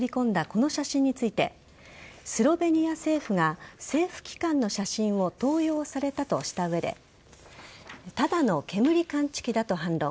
この写真についてスロベニア政府が政府機関の写真を盗用されたとした上でただの煙感知器だと反論。